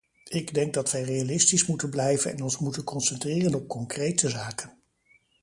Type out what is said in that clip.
Ik denk dat wij realistisch moeten blijven en ons moeten concentreren op concrete zaken.